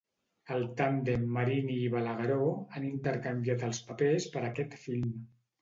El tàndem Marini i Balagueró han intercanviat els papers per a aquest film.